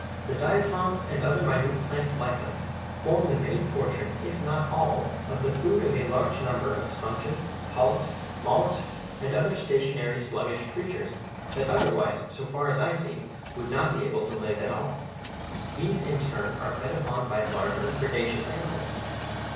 The diatoms, and other minute plants like them, form the main portion, if not all, of the food of a large number of sponges, polyps, mollusks, and other stationary, sluggish creatures, that otherwise, so far as I see, would not be able to live at all. These, in turn, are fed upon by larger predaceous animals.